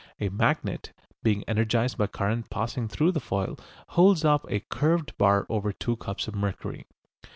A magnet, being energised by current passing through the foil, holds up a curved bar over two cups of mercury.